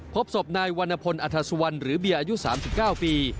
พบศพนายวรรณพลอัธสุวรรณหรือเบียร์อายุ๓๙ปี